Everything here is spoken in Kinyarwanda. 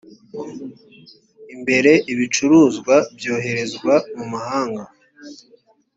imbere ibicuruzwa byoherezwa mu mahanga